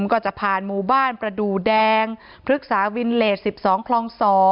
ก็จะผ่านหมู่บ้านประดูแดงพฤกษาวินเลส๑๒คลอง๒